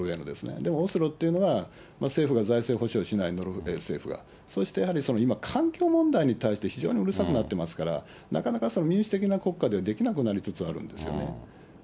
でもオスロっていうのは、政府が財政保障しない、ノルウェー政府が、そしてやはり今、環境問題に対して非常にうるさくなってますから、なかなか民主的な国家で、できなくなりつつあるんですよね。